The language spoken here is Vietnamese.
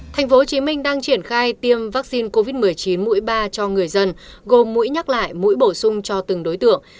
tp hcm đang triển khai tiêm vaccine covid một mươi chín mũi ba cho người dân gồm mũi nhắc lại mũi bổ sung cho từng đối tượng